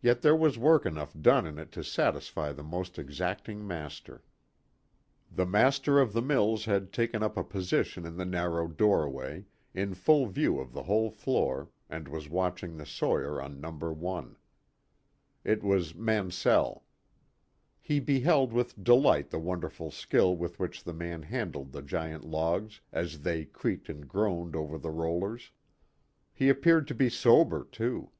Yet there was work enough done in it to satisfy the most exacting master. The master of the mills had taken up a position in the narrow doorway, in full view of the whole floor, and was watching the sawyer on No. 1. It was Mansell. He beheld with delight the wonderful skill with which the man handled the giant logs as they creaked and groaned along over the rollers. He appeared to be sober, too.